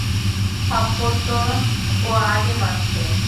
থাপ্পড় তো ও আগে মারছে।